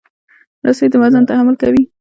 رسۍ د وزن تحمل کوي.